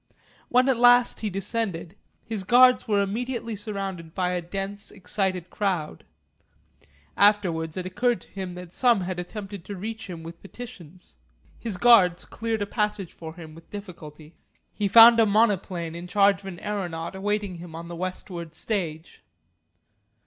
When at last he descended, his guards were immediately surrounded by a dense excited crowd. Afterwards it occurred to him that some had attempted to reach him with petitions. His guards cleared a passage for him with difficulty. He found a monoplane in charge of an aeronaut awaiting him on the westward stage.